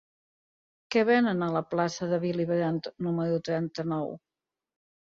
Què venen a la plaça de Willy Brandt número trenta-nou?